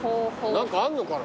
何かあんのかな？